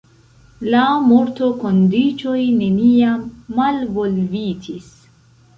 La mortokondiĉoj neniam malvolvitis.